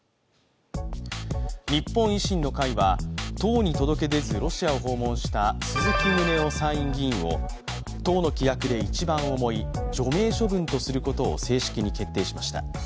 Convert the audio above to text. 日本維新の会は党に届け出ずロシアを訪問した鈴木宗男参院議員を党の規約で一番重い除名処分とすることを正式に決定しました。